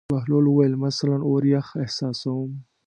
بهلول وویل: مثلاً اور یخ احساسوم.